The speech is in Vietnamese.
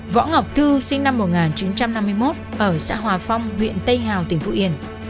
võ ngọc thư sinh năm một nghìn chín trăm năm mươi một ở xã hòa phong huyện tây hà tỉnh phú yên